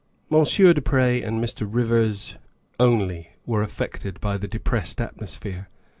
Monsieur du Pre and Mr. Rivers only were unaffected by the depressed atmosphere.